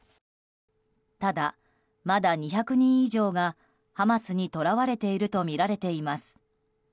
ただ、まだ２００人以上がハマスに捕らわれているとみられています。